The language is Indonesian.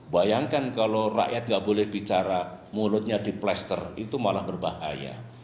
bayangkan kalau rakyat nggak boleh bicara mulutnya diplaster itu malah berbahaya